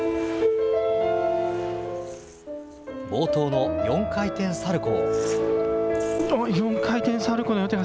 冒頭の４回転サルコー。